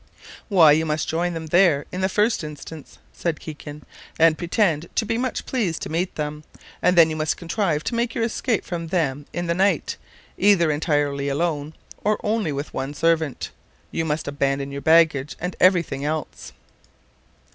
"Why, you must join them in the first instance," said Kikin, "and pretend to be much pleased to meet them; and then you must contrive to make your escape from them in the night, either entirely alone, or only with one servant. You must abandon your baggage and every thing else.